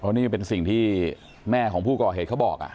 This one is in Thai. นี่เป็นสิ่งที่แม่ของผู้ก่อเหตุเขาบอก